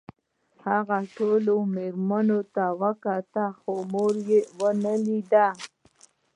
هغه ټولو مېرمنو ته وکتل خو مور یې ونه لیده